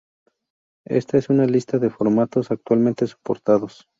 Esta es una la lista de formatos actualmente soportados.